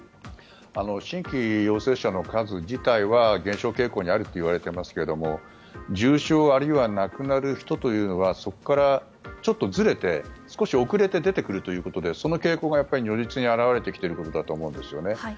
新規陽性者の数自体は減少傾向にあるといわれていますが重症あるいは亡くなる人というのはそこからちょっとずれて少し遅れて出てくるということでその傾向が如実に表れていると思うんです。